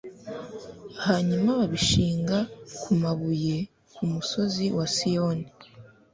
hanyuma babishinga ku mabuye ku musozi wa siyoni